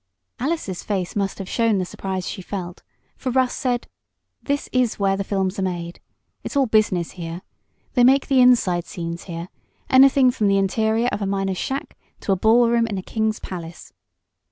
Alice's face must have shown the surprise she felt, for Russ said: "This is where the films are made. It's all business here. They make the inside scenes here anything from the interior of a miner's shack to a ballroom in a king's palace.